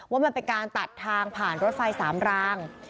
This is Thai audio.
ว่ามันเป็นการตัดทางผ่านรถไฟ๓ราง